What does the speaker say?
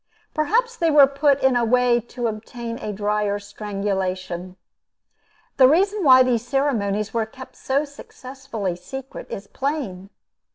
Perhaps they were put in a way to obtain a drier strangulation. The reason why these ceremonies were kept so successfully secret, is plain.